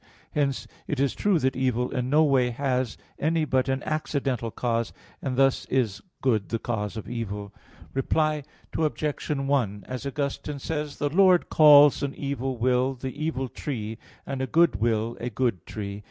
Hence it is true that evil in no way has any but an accidental cause; and thus is good the cause of evil. Reply Obj. 1: As Augustine says (Contra Julian. i): "The Lord calls an evil will the evil tree, and a good will a good tree."